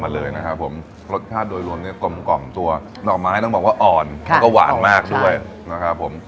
มาเลยนะครับผมรสชาติโดยรวมทรอมกล่องตัวนอกมาให้ตามสเกิ้ลว่าอ่อน